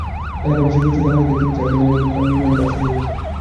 এলাকাবাসী সূত্রে জানা গেছে, তিন-চার দিন আগে দোকান নির্মাণের কাজ শুরু হয়েছে।